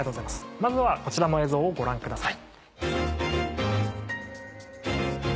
まずはこちらの映像をご覧ください。